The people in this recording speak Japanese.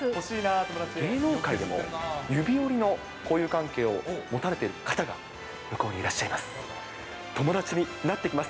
芸能界でも指折りの交友関係を持たれている方が向こうにいらっしゃいます。